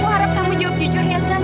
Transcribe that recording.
aku harap kamu jawab jujur ya aksan